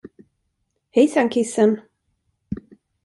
Hejsan, kissen.